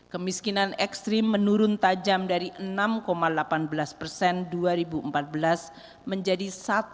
kemiskinan ekstrim menurun tajam dari enam delapan belas dua ribu empat belas menjadi satu dua belas dua ribu empat belas